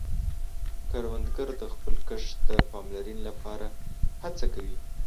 کروندګر د خپل کښت د پاملرنې له پاره هڅه کوي